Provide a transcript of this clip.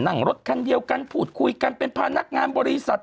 นั่งรถคันเดียวกันพูดคุยกันเป็นพานักงานบริษัท